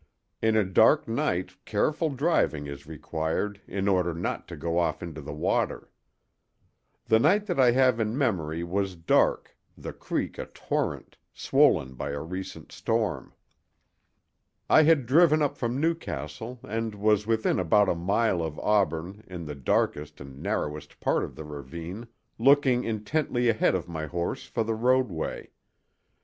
In a dark night careful driving is required in order not to go off into the water. The night that I have in memory was dark, the creek a torrent, swollen by a recent storm. I had driven up from Newcastle and was within about a mile of Auburn in the darkest and narrowest part of the ravine, looking intently ahead of my horse for the roadway.